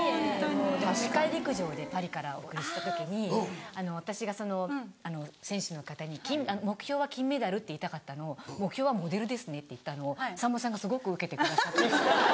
『世界陸上』でパリからお送りした時に私が選手の方に「目標は金メダル」って言いたかったのを「目標はモデルですね」って言ったのをさんまさんがすごくウケてくださって。